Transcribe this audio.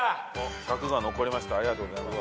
１００残ったありがとうございます。